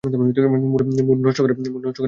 Mood নষ্ট করার প্রয়োজন নেই।